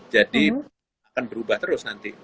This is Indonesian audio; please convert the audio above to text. jadi akan berubah terus nanti